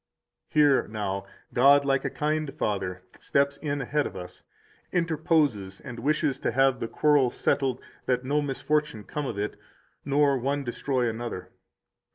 Here, now, God like a kind father steps in ahead of us, interposes and wishes to have the quarrel settled, that no misfortune come of it, nor one destroy another.